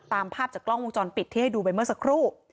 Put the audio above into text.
ตามภาพจากกล้องวงจรปิดที่ให้ดูไปเมื่อสักครู่